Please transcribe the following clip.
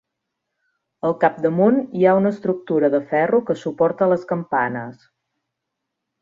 Al capdamunt hi ha una estructura de ferro que suporta les campanes.